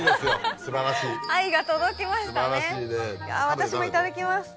私もいただきます。